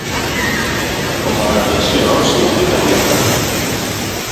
Com a abreviació, significa metre.